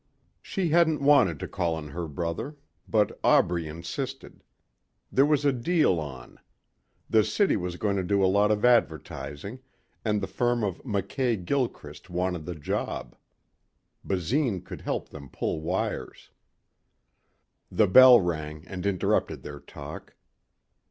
She hadn't wanted to call on her brother. But Aubrey insisted. There was a deal on. The city was going to do a lot of advertising and the firm of Mackay Gilchrist wanted the job. Basine could help them pull wires. The bell rang and interrupted their talk.